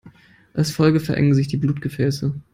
Als Folge verengen sich die Blutgefäße.